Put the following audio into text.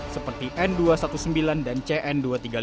seperti n dua ratus sembilan belas dan cn dua ratus tiga puluh lima